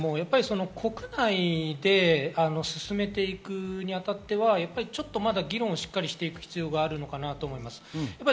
国内で進めていくにあたっては、まだ議論をしっかりしていく必要があるかなと思います。